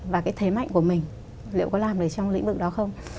và cái thế mạnh của mình liệu có làm được trong lĩnh vực đó không